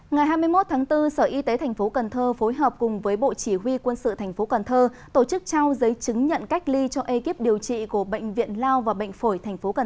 ngày hai mươi một tháng bốn sở y tế tp cn phối hợp cùng bộ chỉ huy quân sự tp cn tổ chức trao giấy chứng nhận cách ly cho ekip điều trị của bệnh viện lao và bệnh phổi tp cn